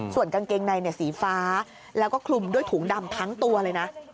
ส่วนกางเกงในสีฟ้าแล้วก็คลุมด้วยถุงดำทั้งตัวเลยนะ